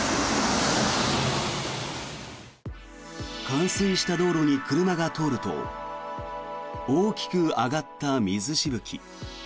冠水した道路に車が通ると大きく上がった水しぶき。